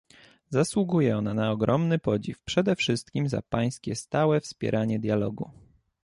Zasługuje ona na ogromny podziw, przede wszystkim za pańskie stałe wspieranie dialogu